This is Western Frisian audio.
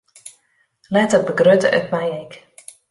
Letter begrutte it my ek.